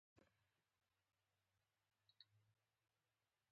سپوږمۍ د شهلا خور ده.